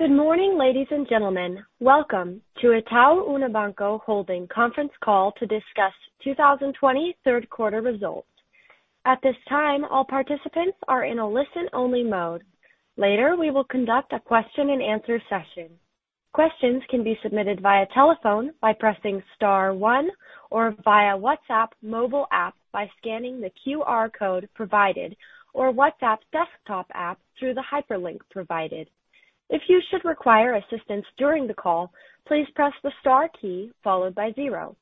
Good morning, ladies and gentlemen. Welcome to Itaú Unibanco Holding conference call to discuss 2020 third quarter results. At this time, all participants are in a listen-only mode. Later, we will conduct a question-and-answer session. Questions can be submitted via telephone by pressing star one or via WhatsApp mobile app by scanning the QR code provided or WhatsApp desktop app through the hyperlink provided. If you should require assistance during the call, please press the star key followed by zero.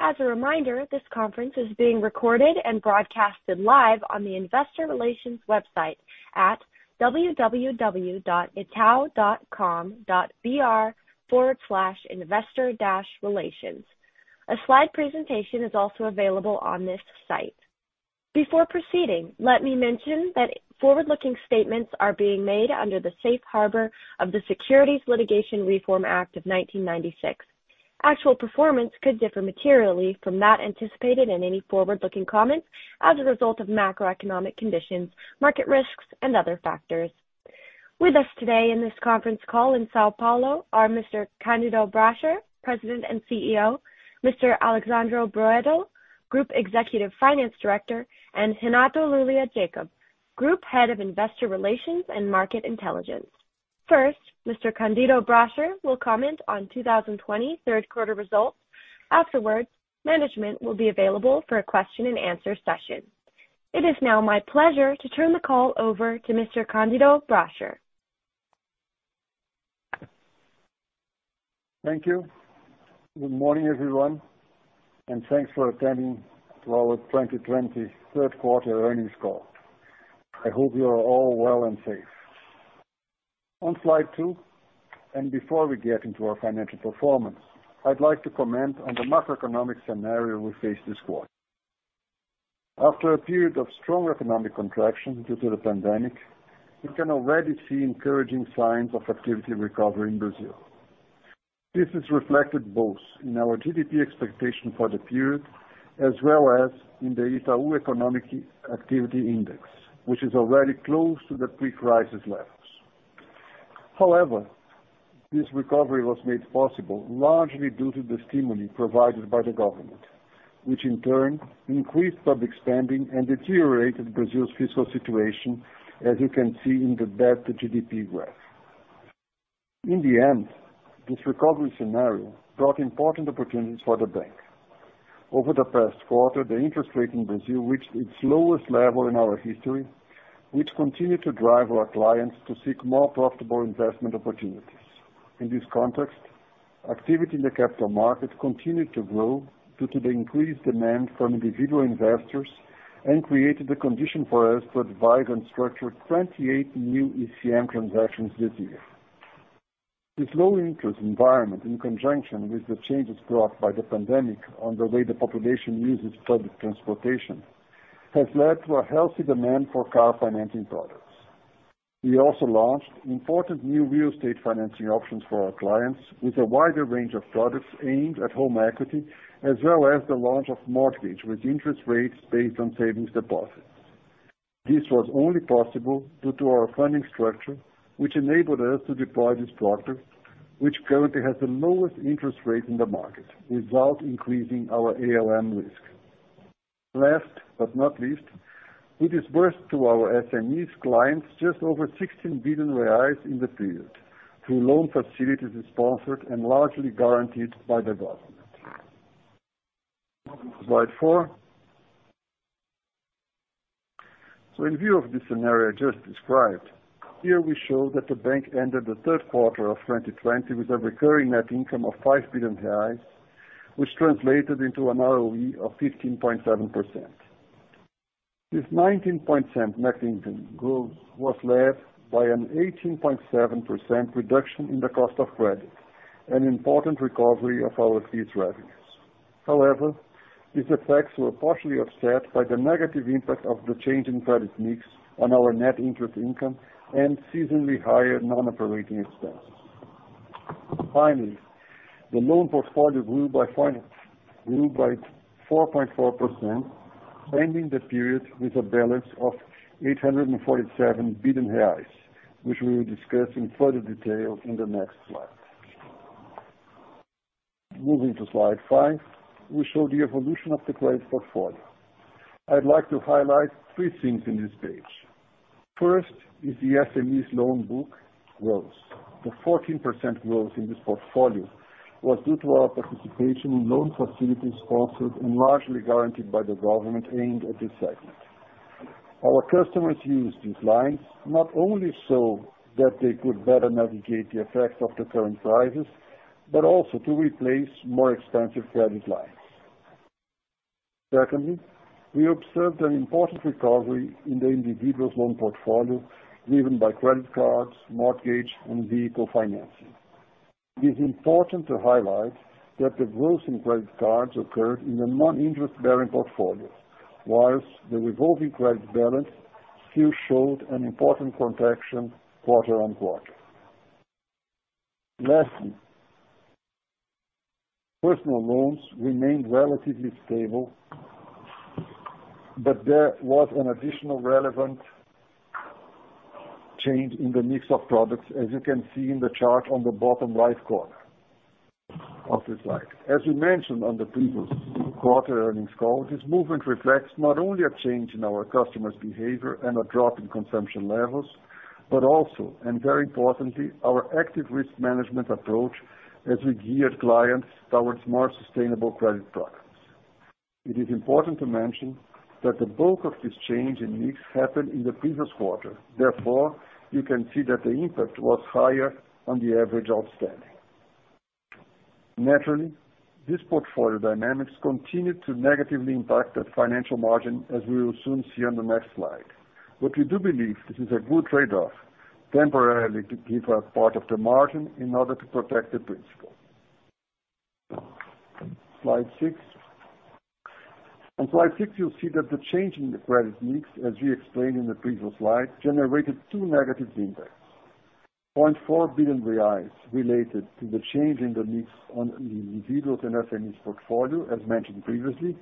As a reminder, this conference is being recorded and broadcasted live on the Investor Relations website at www.itau.com.br/investor-relations. A slide presentation is also available on this site. Before proceeding, let me mention that forward-looking statements are being made under the safe harbor of the Securities Litigation Reform Act of 1996. Actual performance could differ materially from that anticipated in any forward-looking comments as a result of macroeconomic conditions, market risks, and other factors. With us today in this conference call in São Paulo are Mr. Candido Bracher, President and CEO, Mr. Alexsandro Broedel, Group Executive Finance Director, and Renato Lulia Jacob, Group Head of Investor Relations and Market Intelligence. First, Mr. Candido Bracher will comment on 2020 third quarter results. Afterwards, management will be available for a question-and-answer session. It is now my pleasure to turn the call over to Mr. Candido Bracher. Thank you. Good morning, everyone, and thanks for attending our 2020 third quarter earnings call. I hope you are all well and safe. On slide two, and before we get into our financial performance, I'd like to comment on the macroeconomic scenario we face this quarter. After a period of strong economic contraction due to the pandemic, we can already see encouraging signs of activity recovery in Brazil. This is reflected both in our GDP expectation for the period as well as in the Itaú Economic Activity Index, which is already close to the pre-crisis levels. However, this recovery was made possible largely due to the stimuli provided by the government, which in turn increased public spending and deteriorated Brazil's fiscal situation, as you can see in the debt-to-GDP graph. In the end, this recovery scenario brought important opportunities for the bank. Over the past quarter, the interest rate in Brazil reached its lowest level in our history, which continued to drive our clients to seek more profitable investment opportunities. In this context, activity in the capital market continued to grow due to the increased demand from individual investors and created the condition for us to advise and structure 28 new ECM transactions this year. This low-interest environment, in conjunction with the changes brought by the pandemic on the way the population uses public transportation, has led to a healthy demand for car financing products. We also launched important new real estate financing options for our clients with a wider range of products aimed at home equity, as well as the launch of mortgages with interest rates based on savings deposits. This was only possible due to our funding structure, which enabled us to deploy this product, which currently has the lowest interest rate in the market without increasing our ALM risk. Last but not least, we disbursed to our SMEs clients just over 16 billion reais in the period through loan facilities sponsored and largely guaranteed by the government. Slide four. So, in view of this scenario just described, here we show that the bank ended the third quarter of 2020 with a recurring net income of 5 billion reais, which translated into an ROE of 15.7%. This 19.7% net income growth was led by an 18.7% reduction in the cost of credit, an important recovery of our fixed revenues. However, these effects were partially offset by the negative impact of the change in credit mix on our net interest income and seasonally higher non-operating expenses. Finally, the loan portfolio grew by 4.4%, ending the period with a balance of 847 billion reais, which we will discuss in further detail in the next slide. Moving to slide five, we show the evolution of the credit portfolio. I'd like to highlight three things in this page. First is the SMEs loan book growth. The 14% growth in this portfolio was due to our participation in loan facilities sponsored and largely guaranteed by the government aimed at this segment. Our customers used these lines not only so that they could better navigate the effects of the current crisis, but also to replace more expensive credit lines. Secondly, we observed an important recovery in the individual's loan portfolio driven by credit cards, mortgage, and vehicle financing. It is important to highlight that the growth in credit cards occurred in the non-interest-bearing portfolio, while the revolving credit balance still showed an important contraction quarter on quarter. Lastly, personal loans remained relatively stable, but there was an additional relevant change in the mix of products, as you can see in the chart on the bottom right corner of the slide. As we mentioned on the previous quarter earnings call, this movement reflects not only a change in our customers' behavior and a drop in consumption levels, but also, and very importantly, our active risk management approach as we geared clients towards more sustainable credit products. It is important to mention that the bulk of this change in mix happened in the previous quarter. Therefore, you can see that the impact was higher on the average outstanding. Naturally, this portfolio dynamics continued to negatively impact the financial margin, as we will soon see on the next slide. But we do believe this is a good trade-off temporarily to give up part of the margin in order to protect the principal. Slide six. On slide six, you'll see that the change in the credit mix, as we explained in the previous slide, generated two negative impacts: 0.4 billion reais related to the change in the mix on the individuals and SMEs portfolio, as mentioned previously,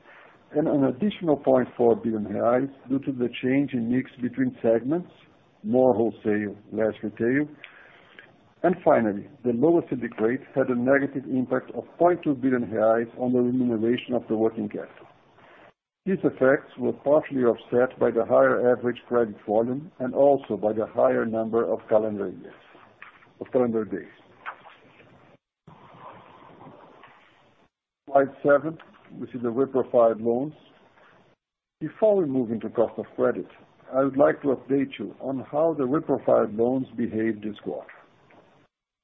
and an additional BRL 0.4 billion due to the change in mix between segments, more wholesale, less retail. And finally, the lower CDI rate had a negative impact of 0.2 billion reais on the remuneration of the working capital. These effects were partially offset by the higher average credit volume and also by the higher number of calendar days. Slide seven, which is the reprofiled loans. Before we move into cost of credit, I would like to update you on how the reprofiled loans behaved this quarter.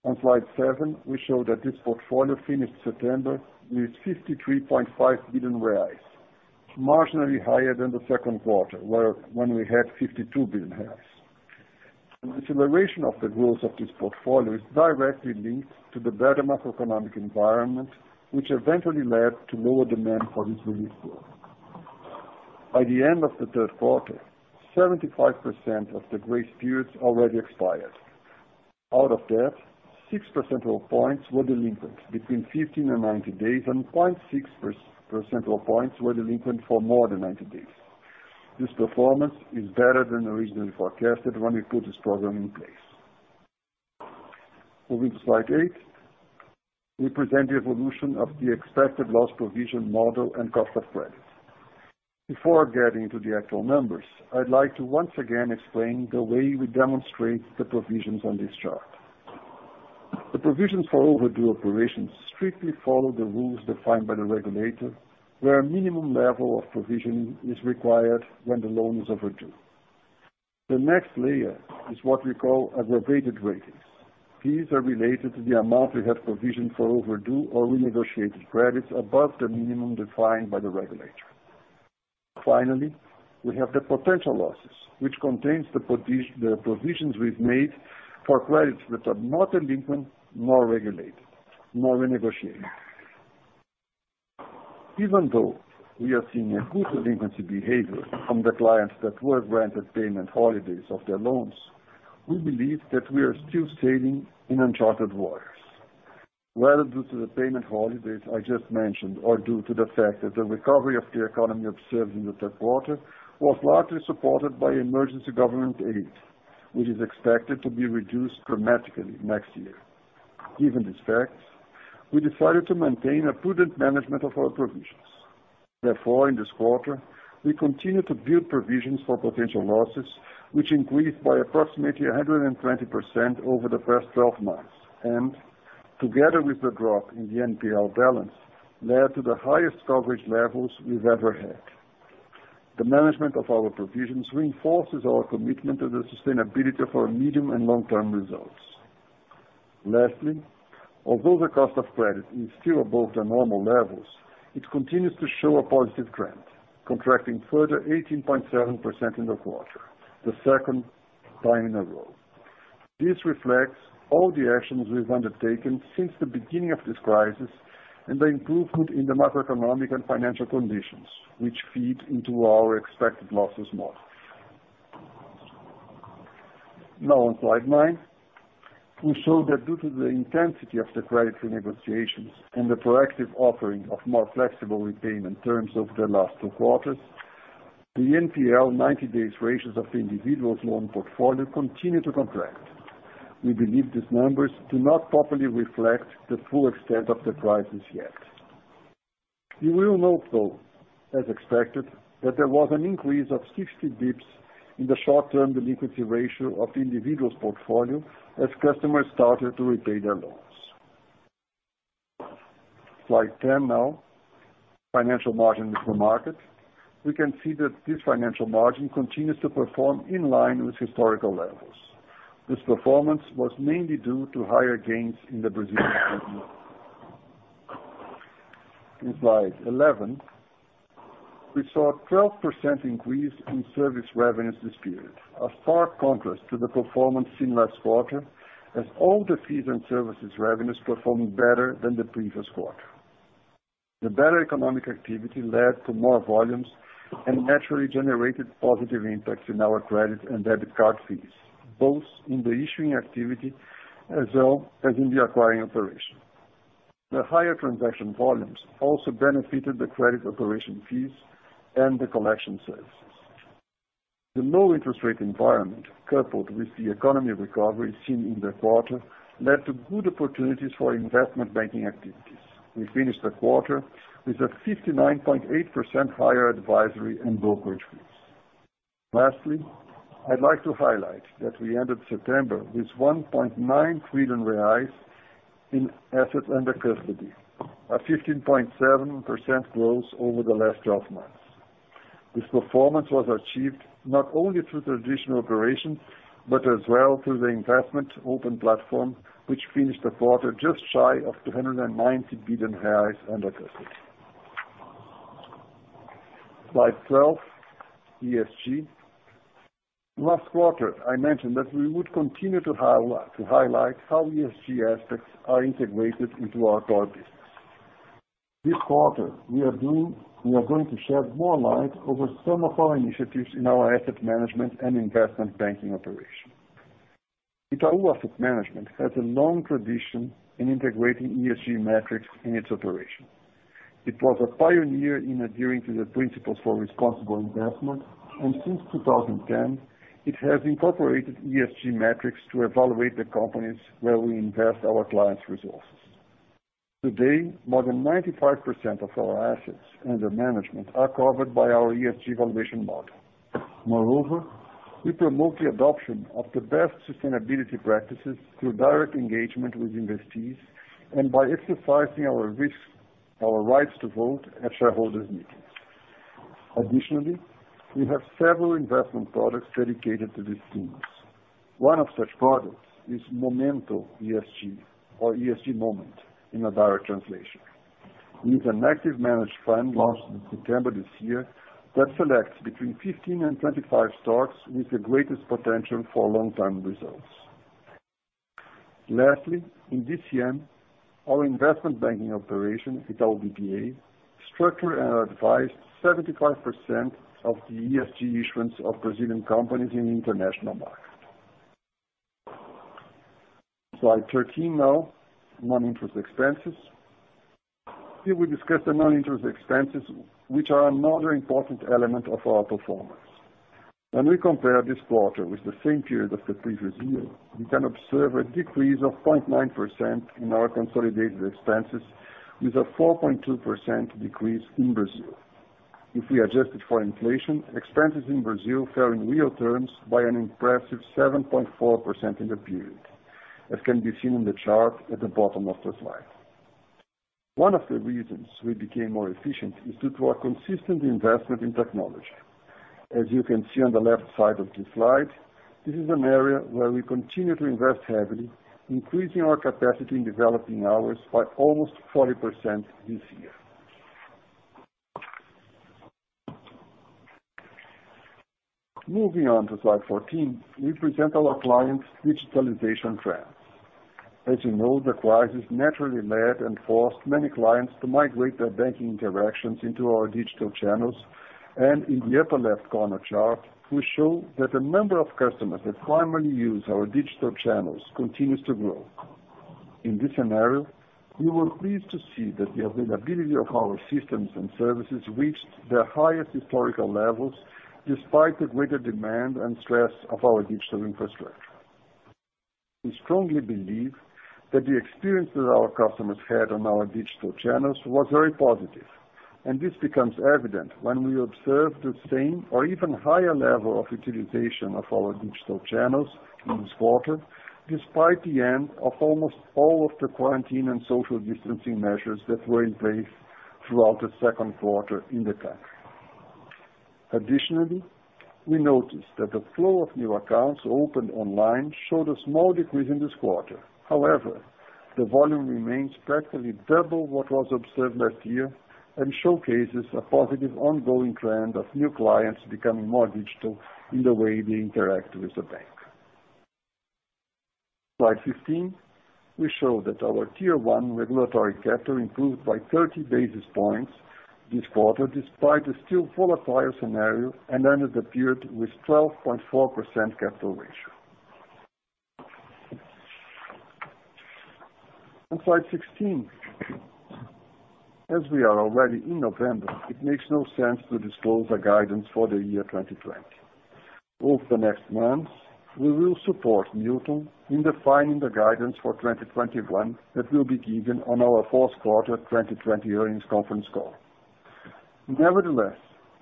On slide seven, we show that this portfolio finished September with 53.5 billion reais, marginally higher than the second quarter, when we had 52 billion reais. The acceleration of the growth of this portfolio is directly linked to the better macroeconomic environment, which eventually led to lower demand for this relief growth. By the end of the third quarter, 75% of the grace periods already expired. Out of that, 6 percentage points were delinquent between 15 and 90 days, and 0.6 percentage points were delinquent for more than 90 days. This performance is better than originally forecasted when we put this program in place. Moving to slide eight, we present the evolution of the expected loss provision model and cost of credit. Before getting to the actual numbers, I'd like to once again explain the way we demonstrate the provisions on this chart. The provisions for overdue operations strictly follow the rules defined by the regulator, where a minimum level of provision is required when the loan is overdue. The next layer is what we call aggravated ratings. These are related to the amount we have provisioned for overdue or renegotiated credits above the minimum defined by the regulator. Finally, we have the potential losses, which contains the provisions we've made for credits that are not delinquent, nor regulated, nor renegotiated. Even though we are seeing a good delinquency behavior from the clients that were granted payment holidays of their loans, we believe that we are still sailing in uncharted waters. Whether due to the payment holidays I just mentioned or due to the fact that the recovery of the economy observed in the third quarter was largely supported by emergency government aid, which is expected to be reduced dramatically next year. Given these facts, we decided to maintain a prudent management of our provisions. Therefore, in this quarter, we continue to build provisions for potential losses, which increased by approximately 120% over the past 12 months, and together with the drop in the NPL balance, led to the highest coverage levels we've ever had. The management of our provisions reinforces our commitment to the sustainability of our medium and long-term results. Lastly, although the cost of credit is still above the normal levels, it continues to show a positive trend, contracting further 18.7% in the quarter, the second time in a row. This reflects all the actions we've undertaken since the beginning of this crisis and the improvement in the macroeconomic and financial conditions, which feed into our expected losses model. Now, on slide nine, we show that due to the intensity of the credit renegotiations and the proactive offering of more flexible repayment terms over the last two quarters, the NPL 90 days ratios of the individuals' loan portfolio continue to contract. We believe these numbers do not properly reflect the full extent of the crisis yet. You will note, though, as expected, that there was an increase of 60 basis points in the short-term delinquency ratio of the individuals' portfolio as customers started to repay their loans. Slide 10 now, financial margin before market. We can see that this financial margin continues to perform in line with historical levels. This performance was mainly due to higher gains in the Brazilian economy. In slide 11, we saw a 12% increase in service revenues this period, a stark contrast to the performance seen last quarter, as all the fees and services revenues performed better than the previous quarter. The better economic activity led to more volumes and naturally generated positive impacts in our credit and debit card fees, both in the issuing activity as well as in the acquiring operation. The higher transaction volumes also benefited the credit operation fees and the collection services. The low interest rate environment, coupled with the economy recovery seen in the quarter, led to good opportunities for investment banking activities. We finished the quarter with a 59.8% higher advisory and brokerage fees. Lastly, I'd like to highlight that we ended September with 1.9 trillion reais in assets under custody, a 15.7% growth over the last 12 months. This performance was achieved not only through traditional operations, but as well through the investment open platform, which finished the quarter just shy of 290 billion reais under custody. Slide 12, ESG. Last quarter, I mentioned that we would continue to highlight how ESG aspects are integrated into our core business. This quarter, we are going to shed more light over some of our initiatives in our asset management and investment banking operation. Itaú Asset Management has a long tradition in integrating ESG metrics in its operation. It was a pioneer in adhering to the Principles for Responsible Investment, and since 2010, it has incorporated ESG metrics to evaluate the companies where we invest our clients' resources. Today, more than 95% of our assets under management are covered by our ESG valuation model. Moreover, we promote the adoption of the best sustainability practices through direct engagement with investees and by exercising our rights to vote at shareholders' meetings. Additionally, we have several investment products dedicated to these themes. One of such products is Momento ESG, or ESG Moment in a direct translation. It is an actively managed fund launched in September this year that selects between 15 and 25 stocks with the greatest potential for long-term results. Lastly, in this year, our investment banking operation, Itaú BBA, structured and advised 75% of the ESG issuance of Brazilian companies in the international market. Slide 13 now, non-interest expenses. Here we discuss the non-interest expenses, which are another important element of our performance. When we compare this quarter with the same period of the previous year, we can observe a decrease of 0.9% in our consolidated expenses, with a 4.2% decrease in Brazil. If we adjust it for inflation, expenses in Brazil fell in real terms by an impressive 7.4% in the period, as can be seen in the chart at the bottom of the slide. One of the reasons we became more efficient is due to our consistent investment in technology. As you can see on the left side of the slide, this is an area where we continue to invest heavily, increasing our capacity in developing hours by almost 40% this year. Moving on to slide 14, we present our clients' digitalization trends. As you know, the crisis naturally led and forced many clients to migrate their banking interactions into our digital channels, and in the upper left corner chart, we show that the number of customers that primarily use our digital channels continues to grow. In this scenario, we were pleased to see that the availability of our systems and services reached their highest historical levels despite the greater demand and stress of our digital infrastructure. We strongly believe that the experience that our customers had on our digital channels was very positive, and this becomes evident when we observe the same or even higher level of utilization of our digital channels in this quarter, despite the end of almost all of the quarantine and social distancing measures that were in place throughout the second quarter in the country. Additionally, we noticed that the flow of new accounts opened online showed a small decrease in this quarter. However, the volume remains practically double what was observed last year and showcases a positive ongoing trend of new clients becoming more digital in the way they interact with the bank. Slide 15, we show that our Tier 1 regulatory capital improved by 30 basis points this quarter, despite the still volatile scenario, and ended the period with a 12.4% capital ratio. On slide 16, as we are already in November, it makes no sense to disclose the guidance for the year 2020. Over the next months, we will support Milton in defining the guidance for 2021 that will be given on our fourth quarter 2020 earnings conference call. Nevertheless,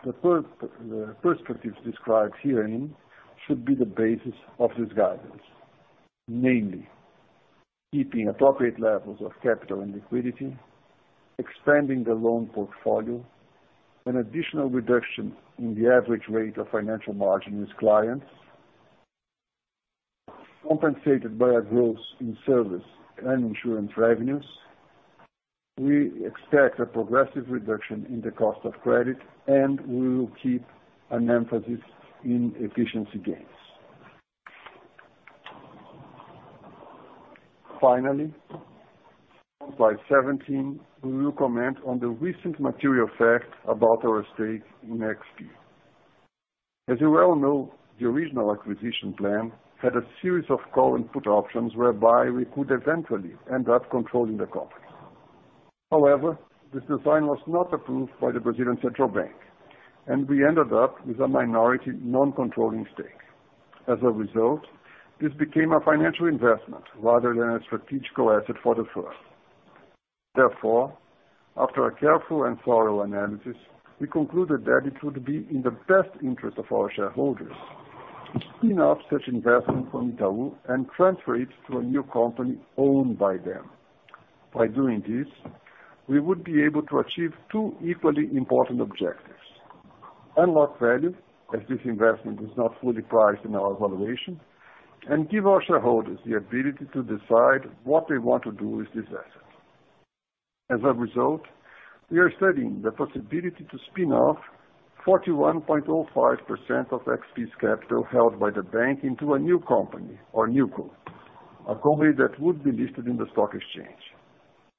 the perspectives described herein should be the basis of this guidance, namely keeping appropriate levels of capital and liquidity, expanding the loan portfolio, an additional reduction in the average rate of financial margin with clients, compensated by a growth in service and insurance revenues. We expect a progressive reduction in the cost of credit, and we will keep an emphasis on efficiency gains. Finally, on slide 17, we will comment on the recent material fact about our stake in XP. As you well know, the original acquisition plan had a series of call and put options whereby we could eventually end up controlling the company. However, this design was not approved by the Brazilian central bank, and we ended up with a minority non-controlling stake. As a result, this became a financial investment rather than a strategic asset for the firm. Therefore, after a careful and thorough analysis, we concluded that it would be in the best interest of our shareholders to spin off such investment from Itaú and transfer it to a new company owned by them. By doing this, we would be able to achieve two equally important objectives: unlock value, as this investment is not fully priced in our valuation, and give our shareholders the ability to decide what they want to do with this asset. As a result, we are studying the possibility to spin off 41.05% of XP's capital held by the bank into a new company or NewCo, a company that would be listed in the stock exchange.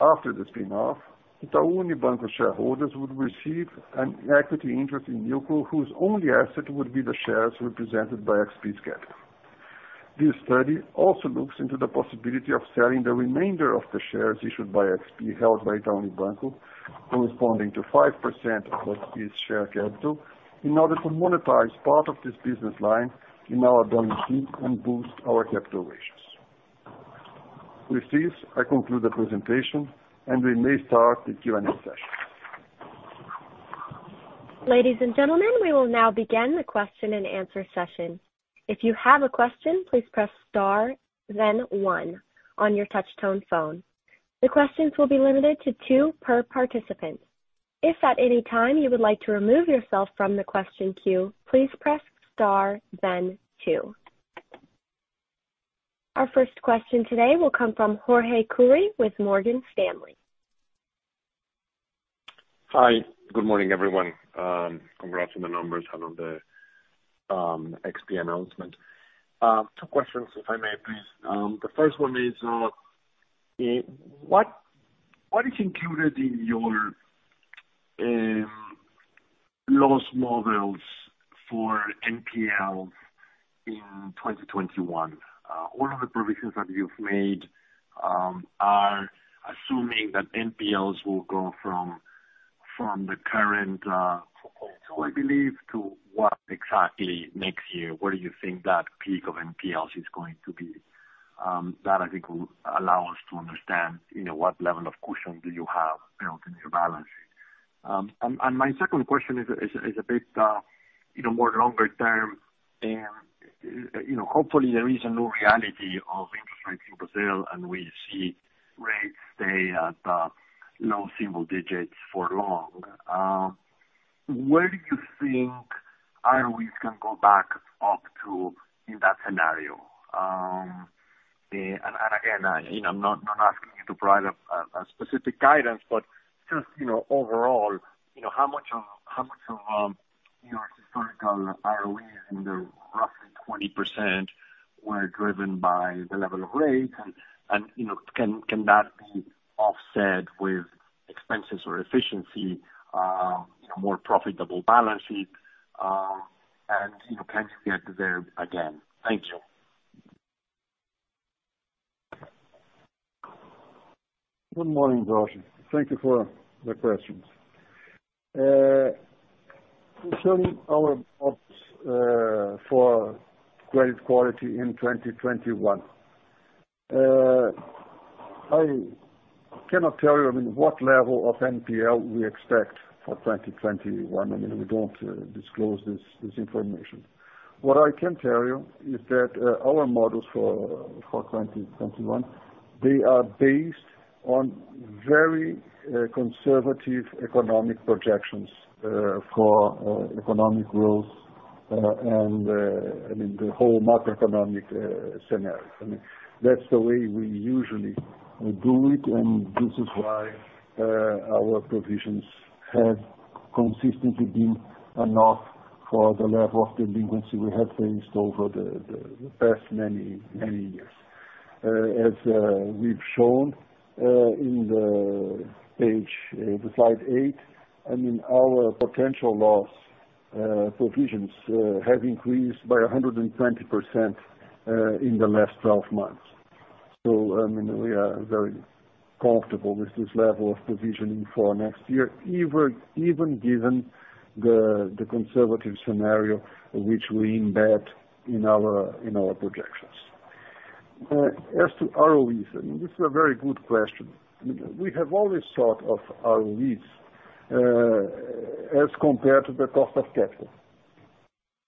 After the spin-off, Itaú Unibanco shareholders would receive an equity interest in NewCo, whose only asset would be the shares represented by XP's capital. This study also looks into the possibility of selling the remainder of the shares issued by XP held by Itaú Unibanco, corresponding to 5% of XP's share capital, in order to monetize part of this business line in our banking and boost our capital ratios. With this, I conclude the presentation, and we may start the Q&A session. Ladies and gentlemen, we will now begin the question and answer session. If you have a question, please press star, then one on your touch-tone phone. The questions will be limited to two per participant. If at any time you would like to remove yourself from the question queue, please press star, then two. Our first question today will come from Jorge Kuri with Morgan Stanley. Hi, good morning everyone. Congrats on the numbers out of the XP announcement. Two questions, if I may, please. The first one is, what is included in your loss models for NPLs in 2021? All of the provisions that you've made are assuming that NPLs will go from the current 2.2, I believe, to what exactly next year? Where do you think that peak of NPLs is going to be? That, I think, will allow us to understand what level of cushion do you have built in your balance sheet? And my second question is a bit more longer term. Hopefully, there is a new reality of interest rates in Brazil, and we see rates stay at low single digits for long. Where do you think ROEs can go back up to in that scenario? And again, I'm not asking you to provide a specific guidance, but just overall, how much of your historical ROEs in the roughly 20% were driven by the level of rates? And can that be offset with expenses or efficiency, more profitable balance sheet? And can you get there again? Thank you. Good morning, Jorge. Thank you for the questions. Concerning our hopes for credit quality in 2021, I cannot tell you what level of NPL we expect for 2021. I mean, we don't disclose this information. What I can tell you is that our models for 2021, they are based on very conservative economic projections for economic growth and the whole macroeconomic scenario. I mean, that's the way we usually do it, and this is why our provisions have consistently been enough for the level of delinquency we have faced over the past many years. As we've shown in the page, the slide eight, I mean, our potential loss provisions have increased by 120% in the last 12 months. So I mean, we are very comfortable with this level of provisioning for next year, even given the conservative scenario which we embed in our projections. As to ROEs, I mean, this is a very good question. We have always thought of ROEs as compared to the cost of capital.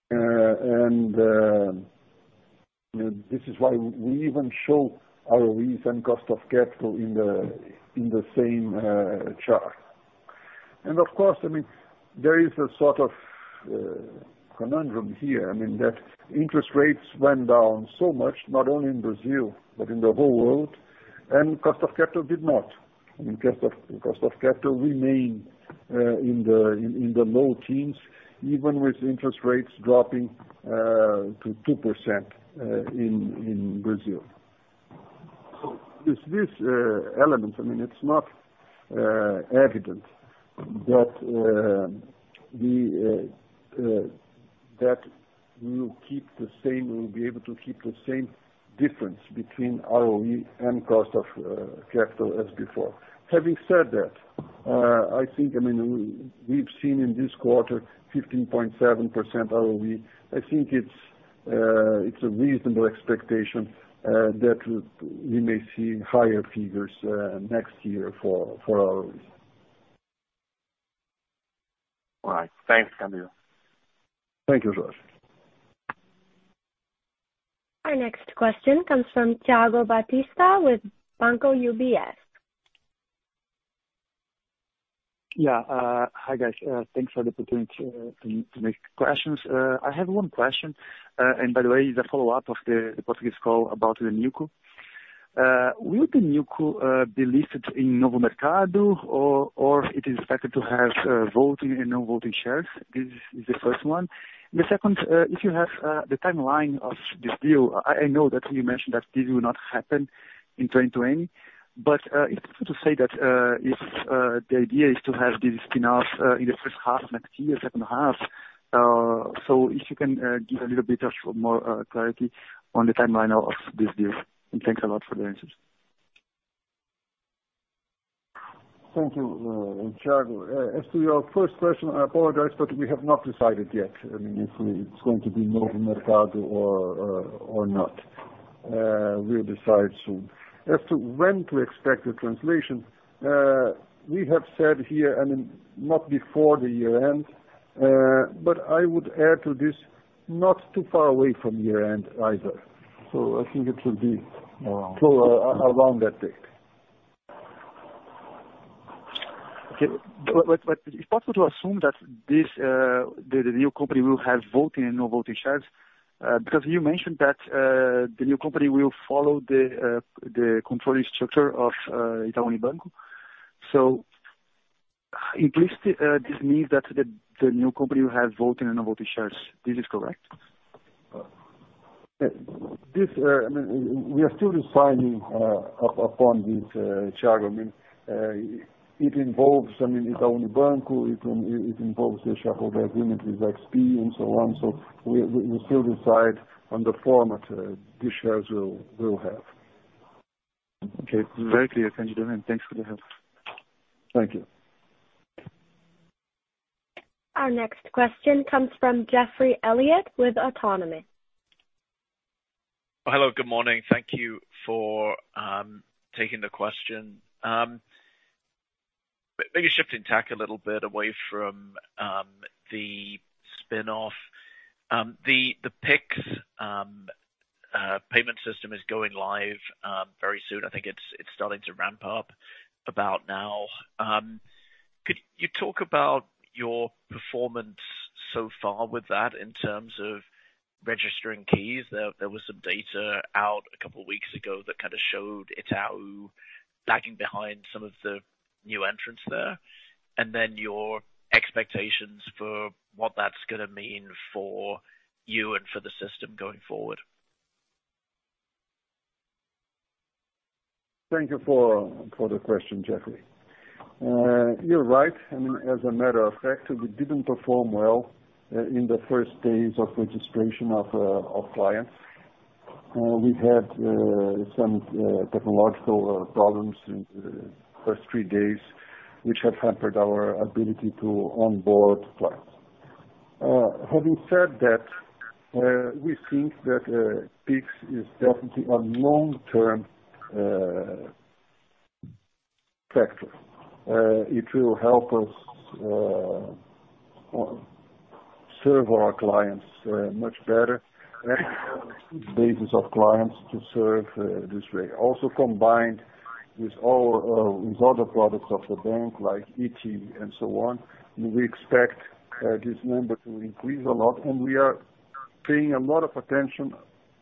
And this is why we even show ROEs and cost of capital in the same chart. And of course, I mean, there is a sort of conundrum here. I mean, that interest rates went down so much, not only in Brazil, but in the whole world, and cost of capital did not. I mean, cost of capital remained in the low teens, even with interest rates dropping to 2% in Brazil. So with this element, I mean, it's not evident that we will keep the same or we'll be able to keep the same difference between ROE and cost of capital as before. Having said that, I think, I mean, we've seen in this quarter 15.7% ROE. I think it's a reasonable expectation that we may see higher figures next year for ROE. All right. Thanks, Camilo. Thank you, Roger. Our next question comes from Thiago Batista with UBS. Yeah. Hi, guys. Thanks for the opportunity to make questions. I have one question, and by the way, it's a follow-up of the Portuguese call about the NewCo. Will the NewCo be listed in Novo Mercado, or is it expected to have voting and non-voting shares? This is the first one. The second, if you have the timeline of this deal, I know that you mentioned that this will not happen in 2020, but it's good to say that if the idea is to have this spin-off in the first half next year, second half. So if you can give a little bit of more clarity on the timeline of this deal. And thanks a lot for the answers. Thank you, Thiago. As to your first question, I apologize, but we have not decided yet. I mean, it's going to be Novo Mercado or not. We'll decide soon. As to when to expect the translation, we have said here, I mean, not before the year end, but I would add to this, not too far away from year end either. So I think it should be around that date. Okay. But it's possible to assume that the new company will have voting and non-voting shares because you mentioned that the new company will follow the controlling structure of Itaú Unibanco. So implicitly, this means that the new company will have voting and non-voting shares. This is correct? I mean, we are still deciding upon this, Thiago. I mean, it involves I mean, Itaú Unibanco, it involves the shareholder agreement with XP and so on. So we still decide on the format these shares will have. Okay. Very clear, Candido. Thanks for the help. Thank you. Our next question comes from Jeffrey Elliott with Autonomous. Hello. Good morning. Thank you for taking the question. Maybe shifting tack a little bit away from the spin-off. The Pix payment system is going live very soon. I think it's starting to ramp up about now. Could you talk about your performance so far with that in terms of registering keys? There was some data out a couple of weeks ago that kind of showed Itaú lagging behind some of the new entrants there, and then your expectations for what that's going to mean for you and for the system going forward. Thank you for the question, Jeffrey. You're right. I mean, as a matter of fact, we didn't perform well in the first days of registration of clients. We had some technological problems in the first three days, which have hampered our ability to onboard clients. Having said that, we think that Pix is definitely a long-term factor. It will help us serve our clients much better and the base of clients to serve this way. Also, combined with other products of the bank, like iti and so on, we expect this number to increase a lot, and we are paying a lot of attention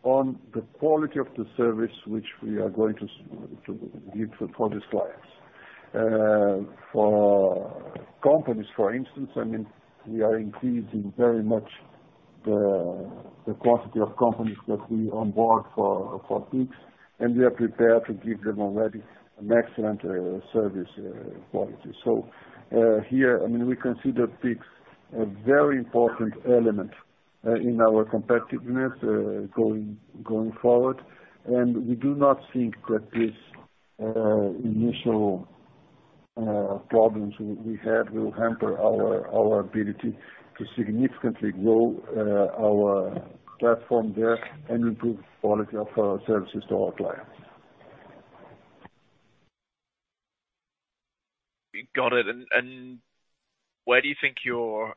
on the quality of the service which we are going to give for these clients. For companies, for instance, I mean, we are increasing very much the quantity of companies that we onboard for Pix, and we are prepared to give them already an excellent service quality. So here, I mean, we consider Pix a very important element in our competitiveness going forward, and we do not think that these initial problems we had will hamper our ability to significantly grow our platform there and improve the quality of our services to our clients. Got it. Where do you think you're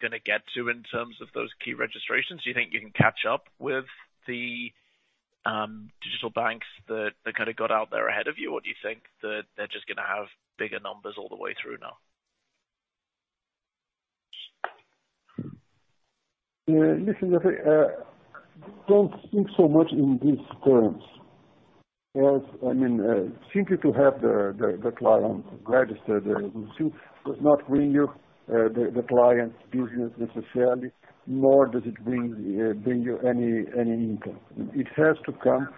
going to get to in terms of those key registrations? Do you think you can catch up with the digital banks that kind of got out there ahead of you, or do you think that they're just going to have bigger numbers all the way through now? Listen, Jeffrey, don't think so much in these terms. I mean, simply to have the client registered with you does not bring you the client's business necessarily, nor does it bring you any income. It has to come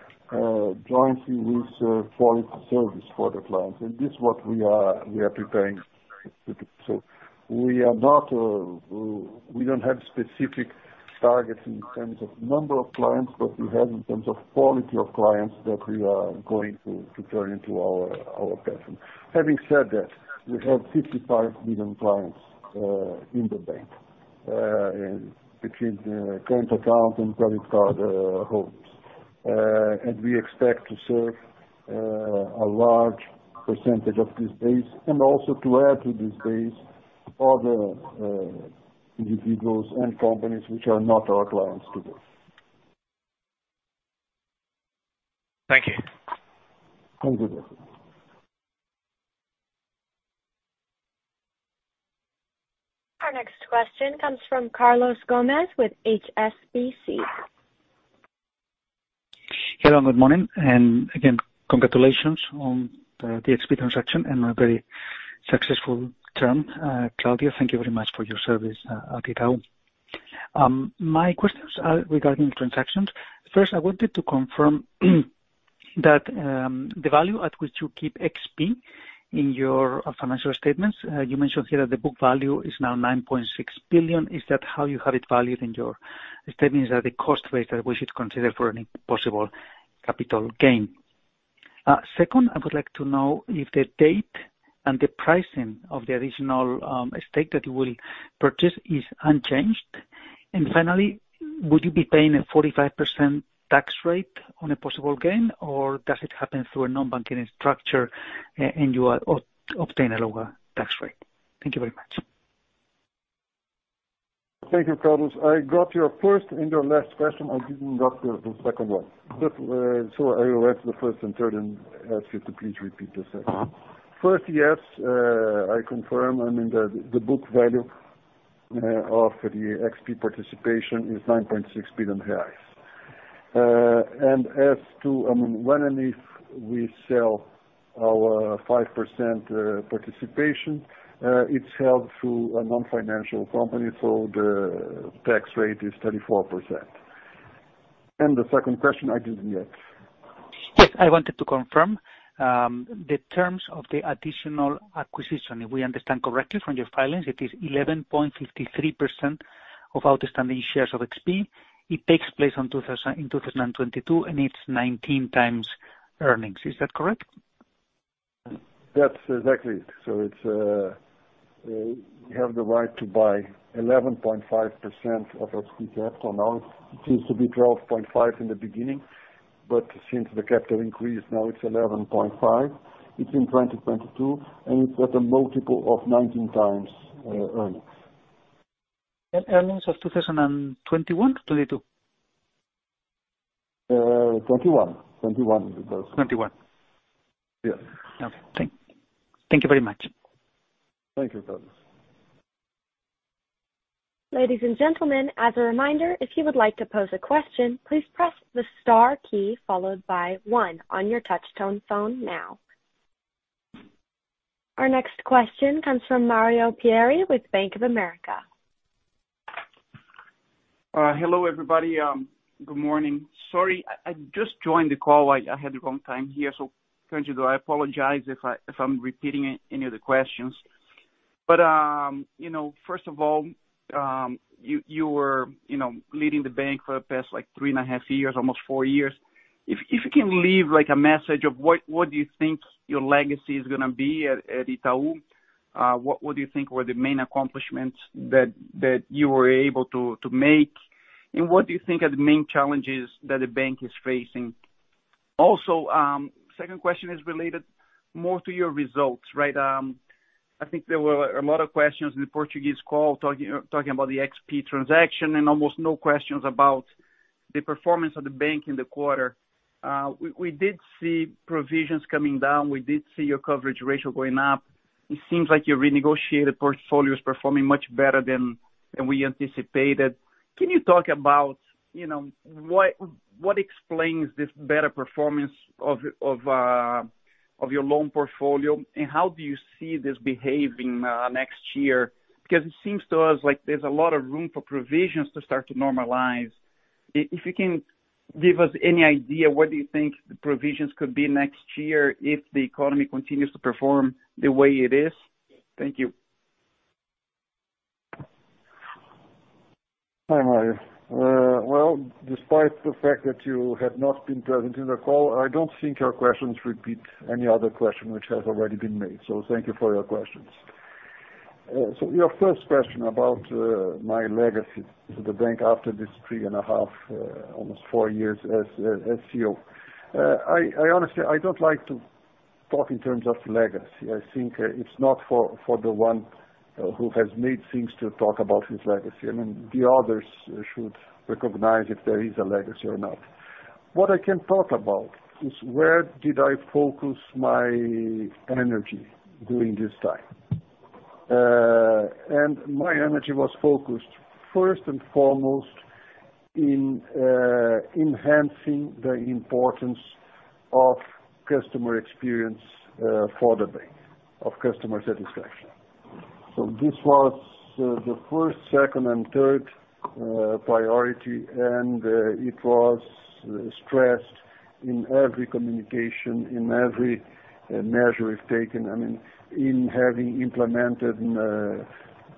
jointly with quality service for the clients. And this is what we are preparing to do. So we don't have specific targets in terms of number of clients, but we have in terms of quality of clients that we are going to turn into our platform. Having said that, we have 55 million clients in the bank between current account and credit card holders. And we expect to serve a large percentage of this base and also to add to this base other individuals and companies which are not our clients today. Thank you. Thank you, Jeffrey. Our next question comes from Carlos Gomez-Lopez with HSBC. Hello, good morning. And again, congratulations on the XP transaction and a very successful term. Candido, thank you very much for your service at Itaú. My questions are regarding the transactions. First, I wanted to confirm that the value at which you keep XP in your financial statements, you mentioned here that the book value is now 9.6 billion. Is that how you have it valued in your statements? Is that the cost base that we should consider for any possible capital gain? Second, I would like to know if the date and the pricing of the additional stake that you will purchase is unchanged. And finally, would you be paying a 45% tax rate on a possible gain, or does it happen through a non-banking structure and you obtain a lower tax rate? Thank you very much. Thank you, Carlos. I got your first and your last question. I didn't got the second one. So I'll wait for the first and third and ask you to please repeat the second. First, yes, I confirm, I mean, the book value of the XP participation is 9.6 billion reais. And as to, I mean, when and if we sell our 5% participation, it's held through a non-financial company, so the tax rate is 34%. And the second question, I didn't yet. Yes. I wanted to confirm the terms of the additional acquisition. If we understand correctly from your filings, it is 11.53% of outstanding shares of XP. It takes place in 2022, and it's 19 times earnings. Is that correct? That's exactly it. So you have the right to buy 11.5% of XP capital. Now, it used to be 12.5% in the beginning, but since the capital increase, now it's 11.5%. It's in 2022, and it's at a multiple of 19 times earnings. And earnings of 2021 to 22? 21. 21. 21. Yes. Okay. Thank you very much. Thank you, Carlos. Ladies and gentlemen, as a reminder, if you would like to pose a question, please press the star key followed by 1 on your touchtone phone now. Our next question comes from Mario Pieri with Bank of America. Hello, everybody. Good morning. Sorry, I just joined the call. I had the wrong time here. Cândido, I apologize if I'm repeating any of the questions. But first of all, you were leading the bank for the past three and a half years, almost four years. If you can leave a message of what do you think your legacy is going to be at Itaú, what do you think were the main accomplishments that you were able to make, and what do you think are the main challenges that the bank is facing? Also, the second question is related more to your results, right? I think there were a lot of questions in the Portuguese call talking about the XP transaction and almost no questions about the performance of the bank in the quarter. We did see provisions coming down. We did see your coverage ratio going up. It seems like your renegotiated portfolio is performing much better than we anticipated. Can you talk about what explains this better performance of your loan portfolio, and how do you see this behaving next year? Because it seems to us like there's a lot of room for provisions to start to normalize. If you can give us any idea, what do you think the provisions could be next year if the economy continues to perform the way it is? Thank you. Hi, Mario. Well, despite the fact that you have not been present in the call, I don't think your questions repeat any other question which has already been made. So thank you for your questions. So your first question about my legacy to the bank after these three and a half, almost four years as CEO. Honestly, I don't like to talk in terms of legacy. I think it's not for the one who has made things to talk about his legacy. I mean, the others should recognize if there is a legacy or not. What I can talk about is where did I focus my energy during this time. And my energy was focused first and foremost in enhancing the importance of customer experience for the bank, of customer satisfaction. So this was the first, second, and third priority, and it was stressed in every communication, in every measure we've taken. I mean, in having implemented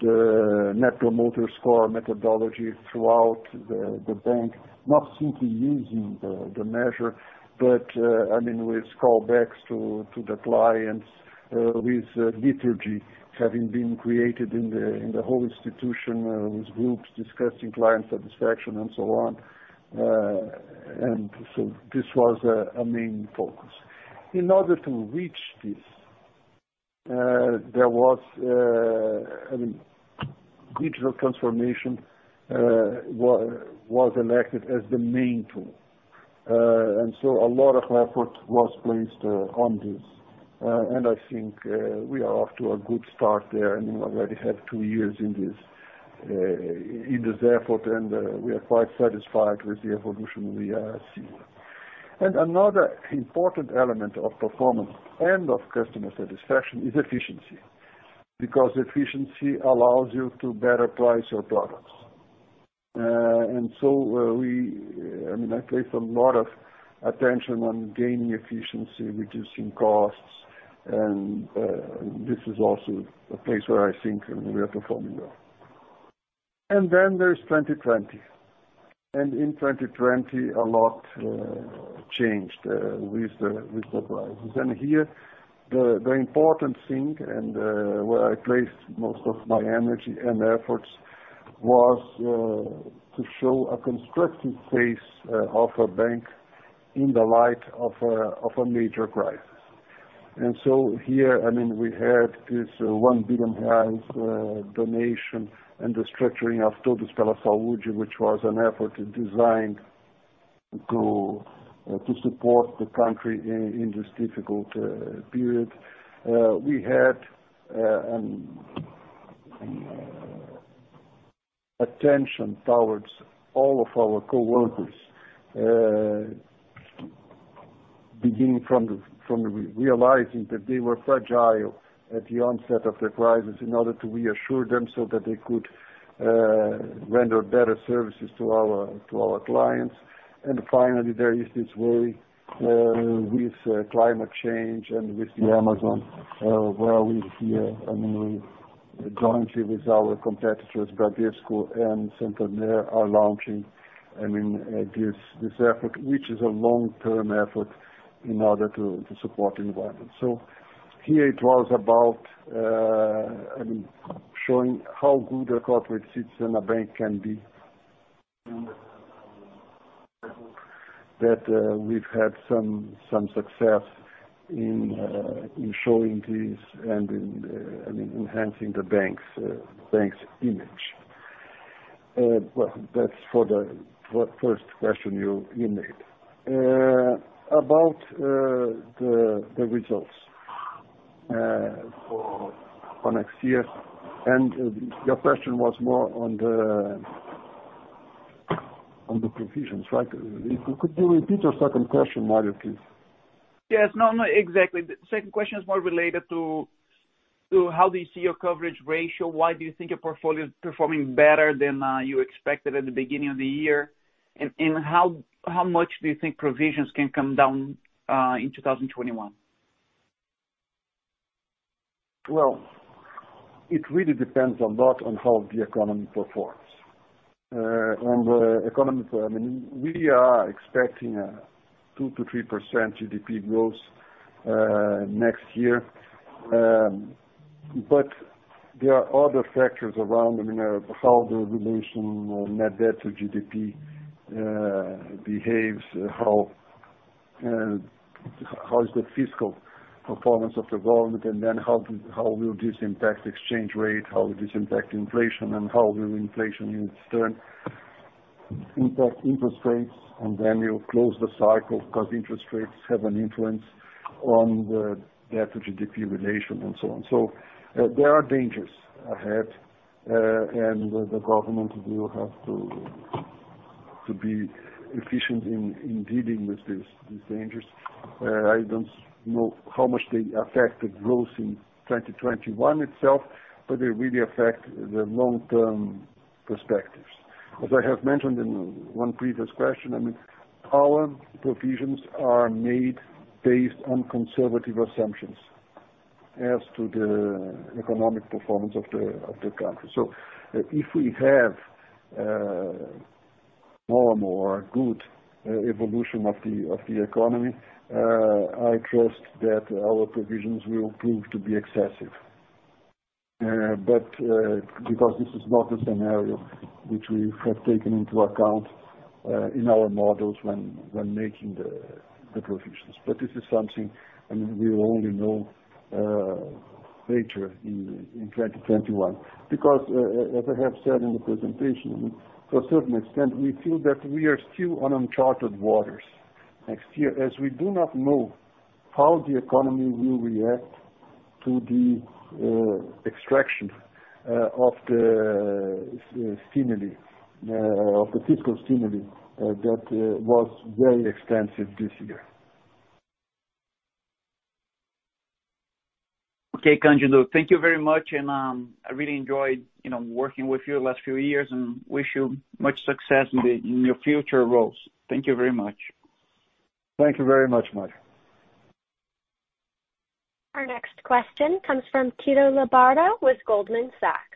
the Net Promoter Score methodology throughout the bank, not simply using the measure, but I mean, with callbacks to the clients, with liturgy having been created in the whole institution, with groups discussing client satisfaction and so on. And so this was a main focus. In order to reach this, there was, I mean, digital transformation was elected as the main tool. And so a lot of effort was placed on this. I think we are off to a good start there. I mean, we already have two years in this effort, and we are quite satisfied with the evolution we are seeing. Another important element of performance and of customer satisfaction is efficiency because efficiency allows you to better price your products. So I mean, I place a lot of attention on gaining efficiency, reducing costs. This is also a place where I think we are performing well. Then there's 2020. In 2020, a lot changed with the crisis. Here, the important thing and where I placed most of my energy and efforts was to show a constructive face of a bank in the light of a major crisis. Here, I mean, we had this 1 billion reais donation and the structuring of Todos pela Saúde, which was an effort designed to support the country in this difficult period. We had attention towards all of our coworkers, beginning from realizing that they were fragile at the onset of the crisis in order to reassure them so that they could render better services to our clients. Finally, there is this worry with climate change and with the Amazon, where we here, I mean, jointly with our competitors, Bradesco and Santander, are launching, I mean, this effort, which is a long-term effort in order to support the environment. Here, it was about, I mean, showing how good a corporate citizen a bank can be. Remember that we've had some success in showing this and in enhancing the bank's image. That's for the first question you made. About the results for next year, and your question was more on the provisions, right? Could you repeat your second question, Mario, please? Yes. No, no, exactly. The second question is more related to how do you see your coverage ratio? Why do you think your portfolio is performing better than you expected at the beginning of the year? And how much do you think provisions can come down in 2021? Well, it really depends a lot on how the economy performs. And the economy, I mean, we are expecting a 2%-3% GDP growth next year. But there are other factors around, I mean, how the relation net debt to GDP behaves, how is the fiscal performance of the government, and then how will this impact exchange rate, how will this impact inflation, and how will inflation in its turn impact interest rates, and then you close the cycle because interest rates have an influence on the debt to GDP relation and so on. So there are dangers ahead, and the government will have to be efficient in dealing with these dangers. I don't know how much they affect the growth in 2021 itself, but they really affect the long-term perspectives. As I have mentioned in one previous question, I mean, our provisions are made based on conservative assumptions as to the economic performance of the country. So if we have more and more good evolution of the economy, I trust that our provisions will prove to be excessive. But because this is not the scenario which we have taken into account in our models when making the provisions. But this is something, I mean, we will only know later in 2021. Because as I have said in the presentation, I mean, to a certain extent, we feel that we are still on uncharted waters next year as we do not know how the economy will react to the extraction of the stimuli, of the fiscal stimuli that was very extensive this year. Okay, Cândido. Thank you very much. And I really enjoyed working with you the last few years and wish you much success in your future roles. Thank you very much. Thank you very much, Mario. Our next question comes from Tito Labarta with Goldman Sachs.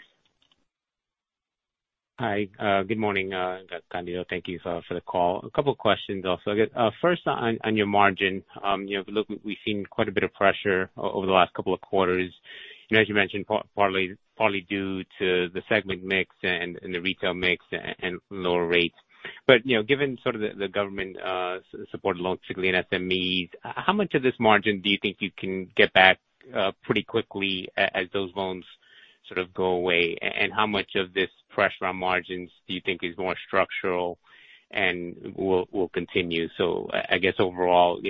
Hi. Good morning, Candido Bracher. Thank you for the call. A couple of questions also. First, on your margin, we've seen quite a bit of pressure over the last couple of quarters, as you mentioned, partly due to the segment mix and the retail mix and lower rates. But given sort of the government support, particularly in SMEs, how much of this margin do you think you can get back pretty quickly as those loans sort of go away? And how much of this pressure on margins do you think is more structural and will continue? So I guess overall,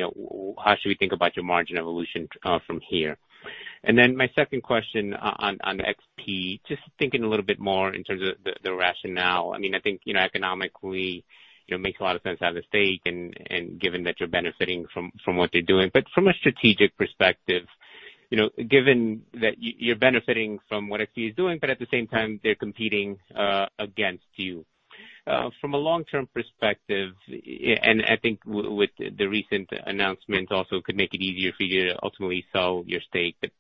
how should we think about your margin evolution from here? And then my second question on XP, just thinking a little bit more in terms of the rationale. I mean, I think economically, it makes a lot of sense to have a stake, and given that you're benefiting from what they're doing. But from a strategic perspective, given that you're benefiting from what XP is doing, but at the same time, they're competing against you. From a long-term perspective, and I think with the recent announcements also, it could make it easier for you to ultimately sell your stake. But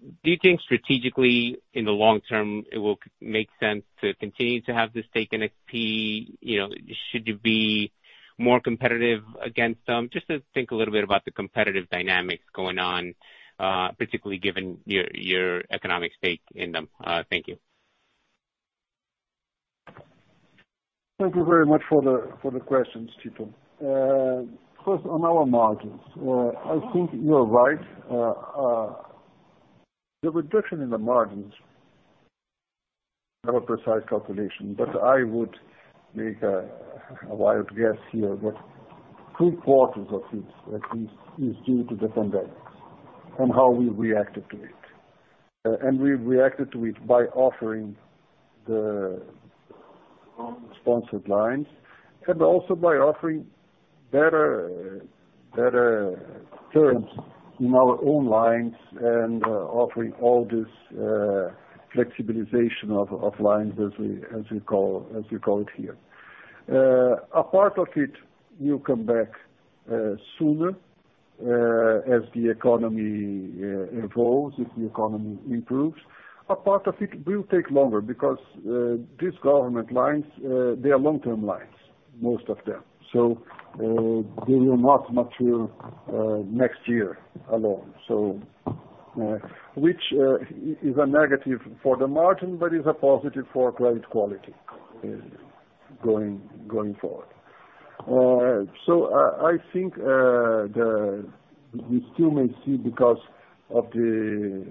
do you think strategically, in the long term, it will make sense to continue to have this stake in XP? Should you be more competitive against them? Just to think a little bit about the competitive dynamics going on, particularly given your economic stake in them. Thank you. Thank you very much for the questions, Tito. First, on our margins, I think you're right. The reduction in the margins is not a precise calculation, but I would make a wild guess here that three quarters of it is due to the pandemic and how we reacted to it, and we reacted to it by offering the sponsored lines and also by offering better terms in our own lines and offering all this flexibilization of lines, as we call it here. A part of it will come back sooner as the economy evolves, if the economy improves. A part of it will take longer because these government lines, they are long-term lines, most of them, so they will not mature next year alone, which is a negative for the margin but is a positive for credit quality going forward. So I think we still may see, because of the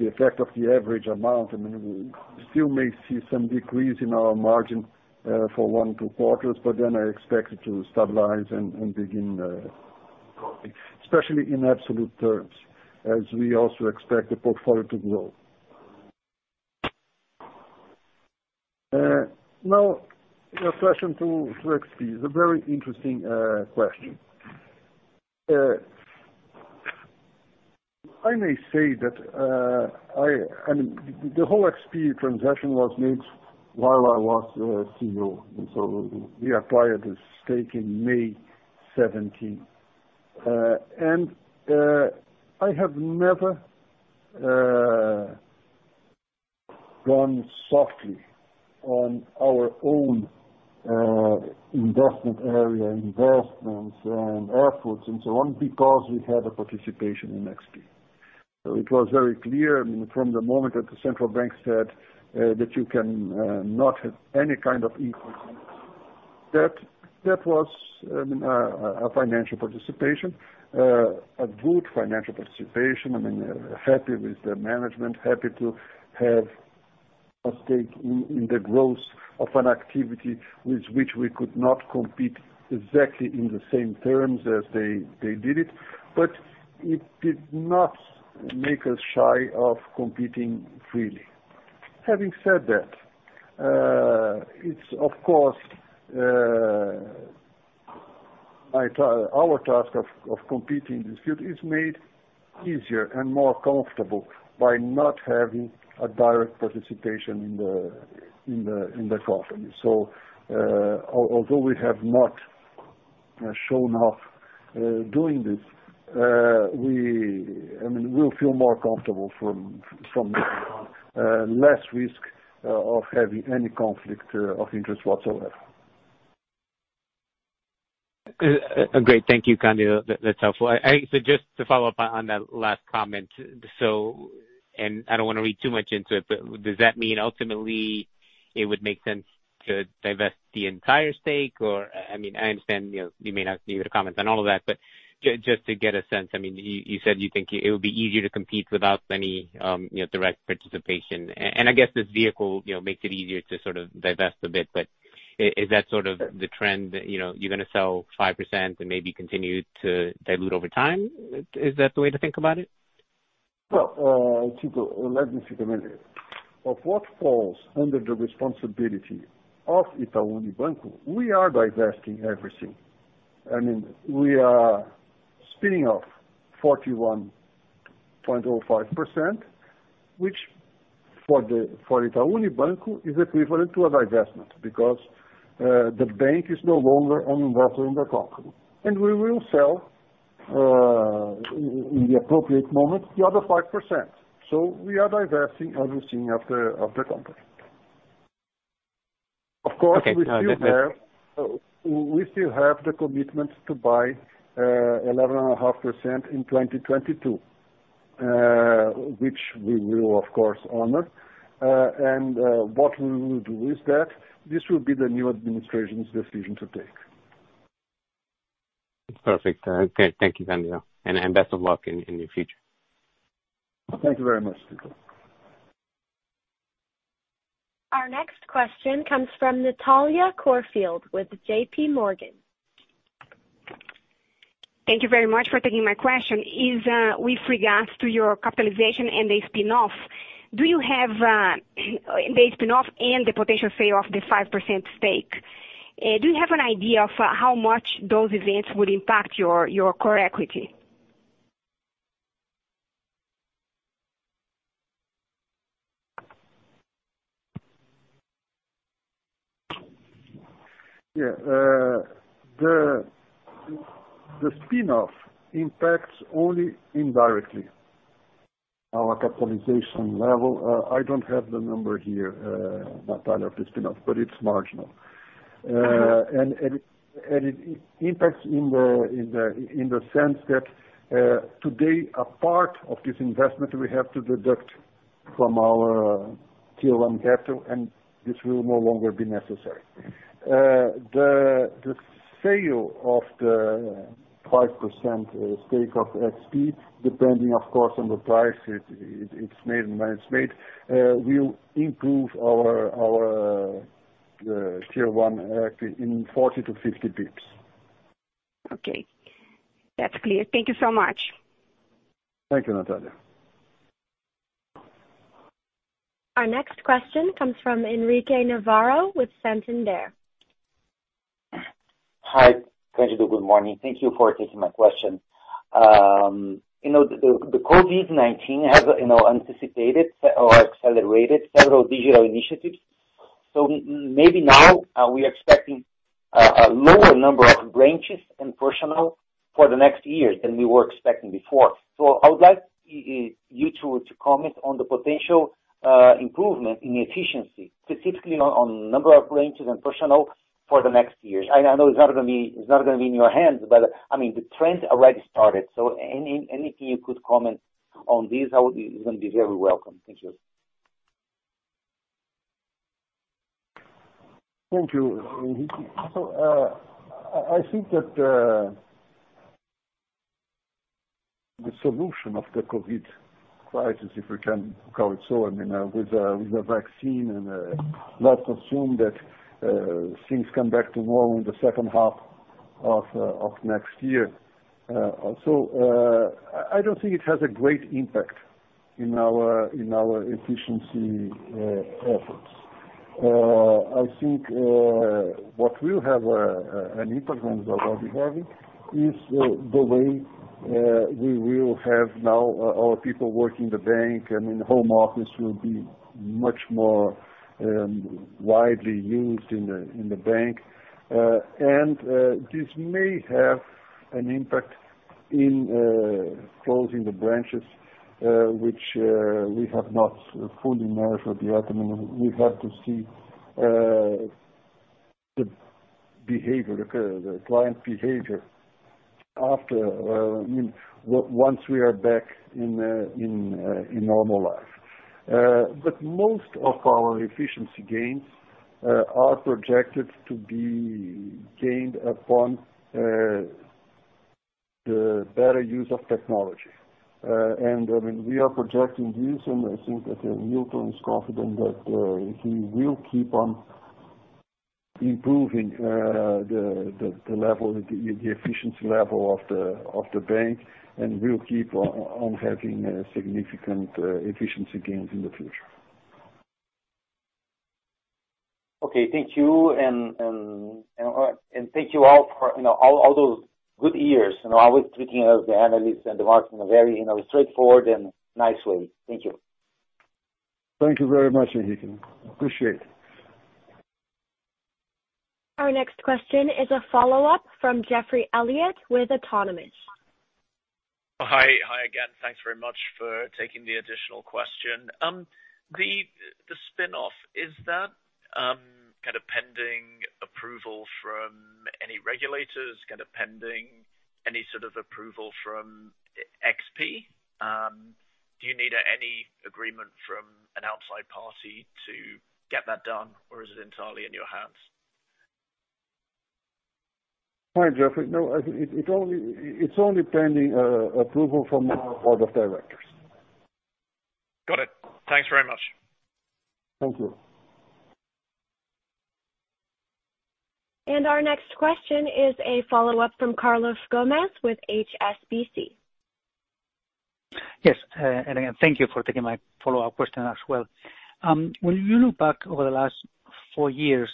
effect of the average amount, I mean, we still may see some decrease in our margin for one or two quarters, but then I expect it to stabilize and begin growing, especially in absolute terms, as we also expect the portfolio to grow. Now, your question to XP is a very interesting question. I may say that, I mean, the whole XP transaction was made while I was CEO. And so we acquired this stake in May 2017. And I have never gone softly on our own investment area, investments and efforts and so on, because we had a participation in XP. So it was very clear, I mean, from the moment that the central bank said that you can not have any kind of equity, that was, I mean, a financial participation, a good financial participation. I mean, happy with the management, happy to have a stake in the growth of an activity with which we could not compete exactly in the same terms as they did it. But it did not make us shy of competing freely. Having said that, it's, of course, our task of competing in this field is made easier and more comfortable by not having a direct participation in the company. So although we have not shown up doing this, I mean, we'll feel more comfortable from this, less risk of having any conflict of interest whatsoever. Great. Thank you, Candido. That's helpful. So just to follow up on that last comment, and I don't want to read too much into it, but does that mean ultimately it would make sense to divest the entire stake? Or, I mean, I understand you may not need to comment on all of that, but just to get a sense. I mean, you said you think it would be easier to compete without any direct participation. And I guess this vehicle makes it easier to sort of divest a bit. But is that sort of the trend? You're going to sell 5% and maybe continue to dilute over time? Is that the way to think about it? Well, Tito, let me say something. Of what falls under the responsibility of Itaú Unibanco, we are divesting everything. I mean, we are spinning off 41.05%, which for Itaú Unibanco is equivalent to a divestment because the bank is no longer an investor in the company. And we will sell, in the appropriate moment, the other 5%. So we are divesting everything of the company. Of course, we still have the commitment to buy 11.5% in 2022, which we will, of course, honor. And what we will do is that this will be the new administration's decision to take. Perfect. Thank you, Candido. And best of luck in your future. Thank you very much, Tito. Our next question comes from Natalia Corfield with J.P. Morgan. Thank you very much for taking my question. Is with regards to your capitalization and the spin-off, do you have the spin-off and the potential sale of the 5% stake? Do you have an idea of how much those events would impact your core equity? Yeah. The spin-off impacts only indirectly our capitalization level. I don't have the number here, Natalia, of the spin-off, but it's marginal. It impacts in the sense that today, a part of this investment we have to deduct from our Tier 1 capital, and this will no longer be necessary. The sale of the 5% stake of XP, depending, of course, on the price it's made and when it's made, will improve our Tier 1 equity in 40-50 basis points. Okay. That's clear. Thank you so much. Thank you, Natalia. Our next question comes from Henrique Navarro with Santander. Hi, Candido. Good morning. Thank you for taking my question. The COVID-19 has anticipated or accelerated several digital initiatives. So maybe now we are expecting a lower number of branches and personnel for the next year than we were expecting before. So I would like you to comment on the potential improvement in efficiency, specifically on the number of branches and personnel for the next year. I know it's not going to be in your hands, but I mean, the trend already started, so anything you could comment on this is going to be very welcome. Thank you. Thank you. I think that the solution of the COVID crisis, if we can call it so, I mean, with the vaccine and let's assume that things come back to normal in the second half of next year, so I don't think it has a great impact in our efficiency efforts. I think what will have an impact on what we have is the way we will have now our people working the bank. I mean, home office will be much more widely used in the bank, and this may have an impact in closing the branches, which we have not fully measured yet. I mean, we have to see the behavior, the client behavior after, I mean, once we are back in normal life. But most of our efficiency gains are projected to be gained upon the better use of technology. And I mean, we are projecting this, and I think that Milton is confident that he will keep on improving the level, the efficiency level of the bank, and we'll keep on having significant efficiency gains in the future. Okay. Thank you. And thank you all for all those good years. I was treating the analysts and the market in a very straightforward and nice way. Thank you. Thank you very much, Henrique. Appreciate it. Our next question is a follow-up from Jeffrey Elliott with Autonomous. Hi. Hi again. Thanks very much for taking the additional question. The spin-off, is that kind of pending approval from any regulators? Kind of pending any sort of approval from XP? Do you need any agreement from an outside party to get that done, or is it entirely in your hands? Hi, Jeffrey. No, it's only pending approval from our board of directors. Got it. Thanks very much. Thank you. And our next question is a follow-up from Carlos Gomez-Lopez with HSBC. Yes. And again, thank you for taking my follow-up question as well. When you look back over the last four years,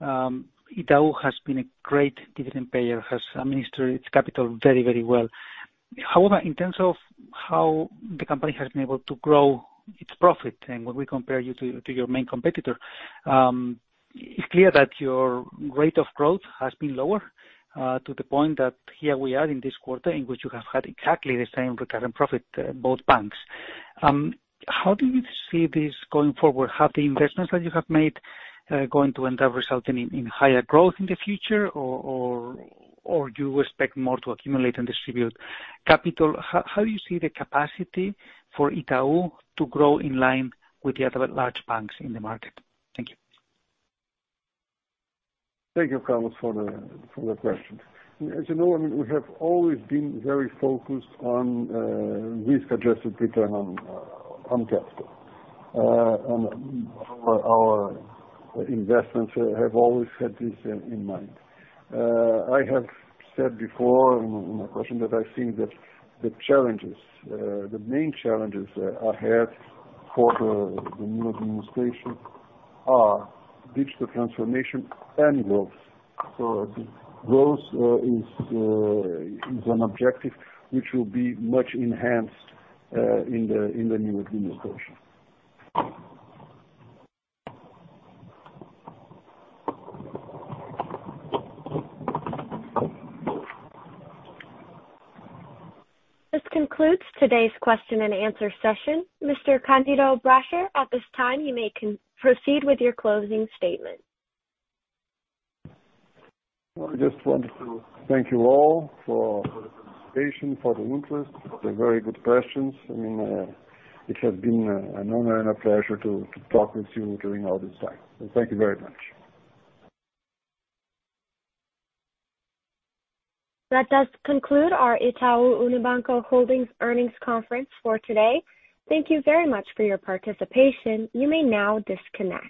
Itaú has been a great dividend payer, has administered its capital very, very well. However, in terms of how the company has been able to grow its profit and when we compare you to your main competitor, it's clear that your rate of growth has been lower to the point that here we are in this quarter in which you have had exactly the same recurring profit, both banks. How do you see this going forward? Have the investments that you have made going to end up resulting in higher growth in the future, or do you expect more to accumulate and distribute capital? How do you see the capacity for Itaú to grow in line with the other large banks in the market? Thank you. Thank you, Carlos, for the question. As you know, I mean, we have always been very focused on risk-adjusted return on capital, and our investments have always had this in mind. I have said before in my question that I think that the challenges, the main challenges ahead for the new administration are digital transformation and growth. So growth is an objective which will be much enhanced in the new administration. This concludes today's question and answer session. Mr. Candido Bracher, at this time, you may proceed with your closing statement. I just wanted to thank you all for the participation, for the interest, for the very good questions. I mean, it has been an honor and a pleasure to talk with you during all this time. So thank you very much. That does conclude our Itaú Unibanco Holding earnings conference for today. Thank you very much for your participation. You may now disconnect.